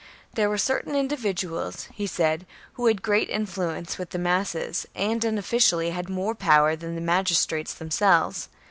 There were certam mdividuals, he said, who had great influence with the masses, and unofficially had more power than the magis trates themselves.